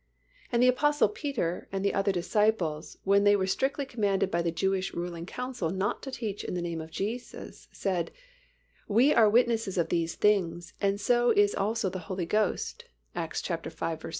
and the Apostle Peter and the other disciples when they were strictly commanded by the Jewish Council not to teach in the name of Jesus said, "We are witnesses of these things, and so is also the Holy Ghost" (Acts v.